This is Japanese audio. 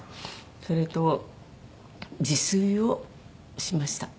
それと自炊をしました。